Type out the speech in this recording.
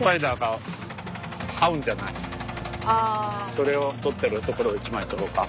それを採ってるところを一枚撮ろうか。